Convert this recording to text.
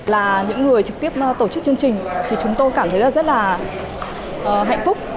là những người trực tiếp tổ chức chương trình thì chúng tôi cảm thấy là rất là hạnh phúc